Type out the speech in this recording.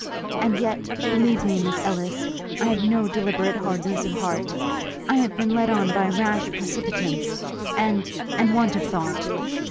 And yet believe me, Miss Ellis! I have no deliberate hardness of heart! I have been led on by rash precipitance, and and want of thought!